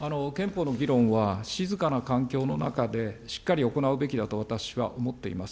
憲法の議論は静かな環境の中でしっかり行うべきだと私は思っております。